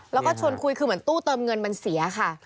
แล้วก็ชวนคุยคือเหมือนตู้เติมเงินมันเสียค่ะ